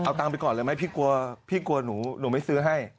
เอาตังค์ไปก่อนเลยไหมพี่กลัวหนูไม่ซื้อให้